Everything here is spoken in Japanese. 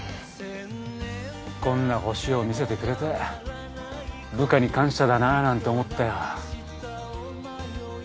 こんな星を見せてくれて部下に感謝だななんて思ったよ。